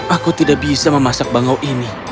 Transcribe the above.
aku tidak bisa memasak bangau ini